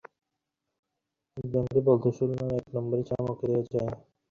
এইপ্রকার মজা করিবার জন্যই কৌতুকপর বিধাতা নরনারীর প্রভেদ করিয়াছেন।